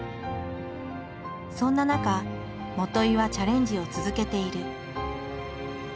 そんな中元井はチャレンジを続けている。